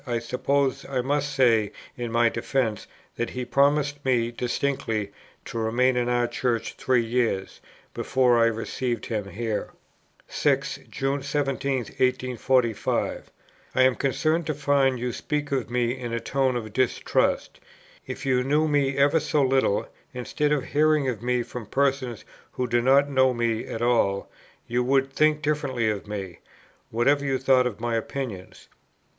I suppose I must say in my defence, that he promised me distinctly to remain in our Church three years, before I received him here." 6. "June 17, 1845. I am concerned to find you speak of me in a tone of distrust. If you knew me ever so little, instead of hearing of me from persons who do not know me at all, you would think differently of me, whatever you thought of my opinions.